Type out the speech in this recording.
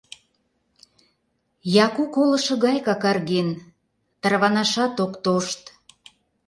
Яку колышо гай какарген, тарванашат ок тошт.